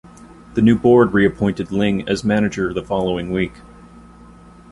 The new board re-appointed Ling as manager the following week.